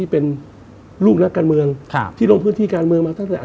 ผมเองกับคุณอุ้งอิ๊งเองเราก็รักกันเหมือนพี่เหมือนน้อง